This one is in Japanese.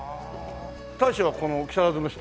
大将はここの木更津の人？